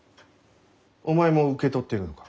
お前も受け取っているのか？